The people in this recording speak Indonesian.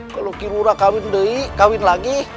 kalau kilurah kahwin lagi